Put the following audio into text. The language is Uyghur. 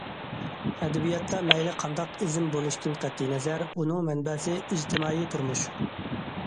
ئەدەبىياتتا مەيلى قانداق ئىزىم بولۇشتىن قەتئىينەزەر، ئۇنىڭ مەنبەسى ئىجتىمائىي تۇرمۇش.